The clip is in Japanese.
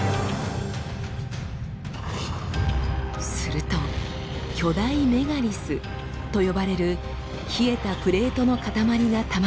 すると「巨大メガリス」と呼ばれる冷えたプレートの塊がたまります。